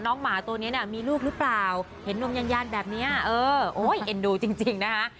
หมาตัวนี้เนี่ยมีลูกหรือเปล่าเห็นนมยานแบบนี้เออโอ้ยเอ็นดูจริงนะคะ